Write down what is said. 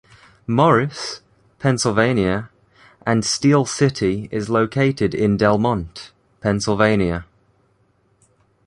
Morris, Pennsylvania, and Steel City is located in Delmont, Pennsylvania.